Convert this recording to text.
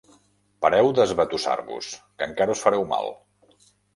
Pareu d'esbatussar-vos, que encara us fareu mal.